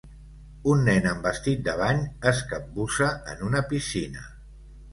Un nen amb vestit de bany es capbussa en una piscina